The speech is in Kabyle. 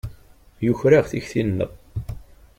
Yuker-aɣ tikti-nneɣ.